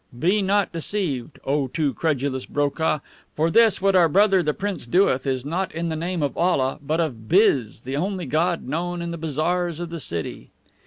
Be not deceived, O too credulous BROKAH! for this what our brother the prince doeth is not in the name of ALLAH, but of BIZ, the only god known in the bazaars of the city."